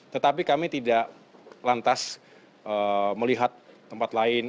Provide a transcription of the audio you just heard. tetapi kami tidak lantas melihat tempat lain